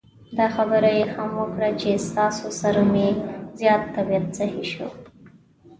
دا خبره یې هم وکړه چې ستاسو سره مې زیات طبعیت سهی شو.